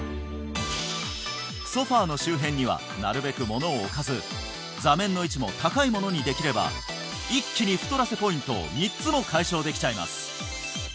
ソファーの周辺にはなるべく物を置かず座面の位置も高いものにできれば一気に太らせポイントを３つも解消できちゃいます